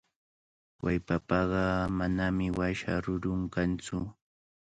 Wallpapaqa manami washa rurun kantsu.